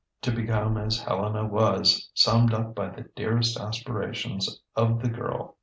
To become as Helena was, summed up the dearest aspirations of the girl.